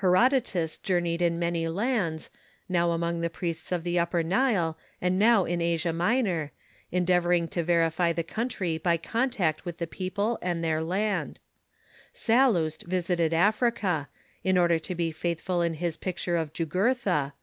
Herodotus journeyed in nianj^ lands, now among the priests of the Upper Nile, and now in Asia Minor, endeavoring to verify the country by contact with the people and their land, Sallust visited Africa, in order to be faithful in his picture of Jugurtha.